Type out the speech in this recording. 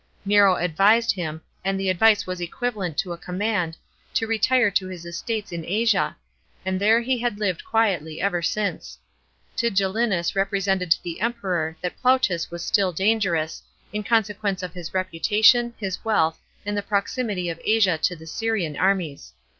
Nero advised him, and the advice was equivalent to a command, to retire to his estates in Asia, and there he had lived quietly ever since. Tigellinus represented to the Emperor that Plautus was still dangerous, in consequence of his reputation, his wealth, and the proximity of Asia to the Syrian armies.